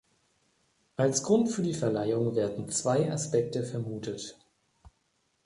Als Grund für die Verleihung werden zwei Aspekte vermutet.